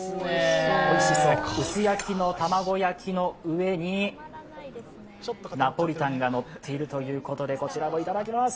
おいしそう、薄焼きの卵焼きの上にナポリタンがのっているということでこちらもいただきます！